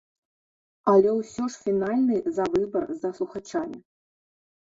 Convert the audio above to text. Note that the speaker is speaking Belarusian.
Але ўсё ж фінальны за выбар за слухачамі.